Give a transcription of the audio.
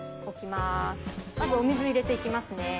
まずお水入れて行きますね。